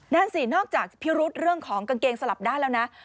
นั่นสินอกจากพิรุษเรื่องของกางเกงสลับด้านแล้วนะ